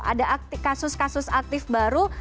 ada kasus kasus aktif baru